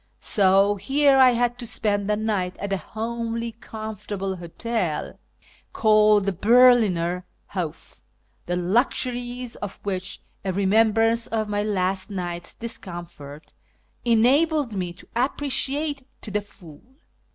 So here I had to spend the night at a homely comfortable hotel, called the Berliner Hof, the luxuries of which a remembrance of my last night's discomfort enabled me to appreciate to the full.